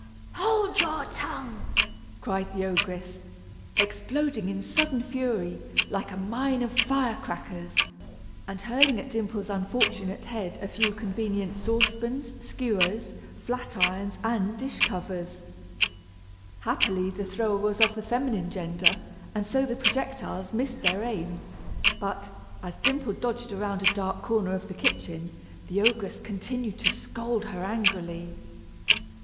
"Hold your tongue!" cried the ogress, exploding in sudden fury, like a mine of fire crackers, and hurling at Dimple's unfortunate head a few convenient saucepans, skewers, flat irons, and dish covers. Happily the thrower was of the feminine gender, and so the projectiles missed their aim; but, as Dimple dodged around in a dark corner of the kitchen, the ogress continued to scold her angrily.